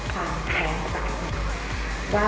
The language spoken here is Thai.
ความแพ้ของเรา